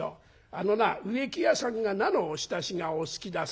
あのな植木屋さんが菜のおひたしがお好きだそうだ。